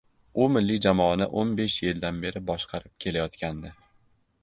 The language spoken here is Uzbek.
U milliy jamoani o'n besh yildan beri boshqarib kelayotgandi